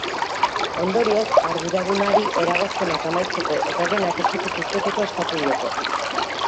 Ondorioz, arduradunari eragozpenak amaitzeko eta denak etxetik irteteko eskatu diote.